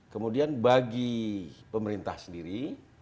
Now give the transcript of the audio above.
kemudian bagi pemerintah sendiri